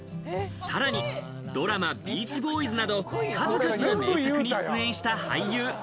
さらにドラマ『ビーチボーイズ』など数々の名作に出演した俳優。